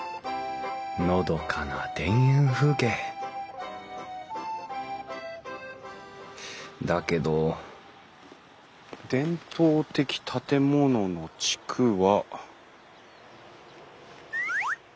のどかな田園風景だけど伝統的建物の地区は。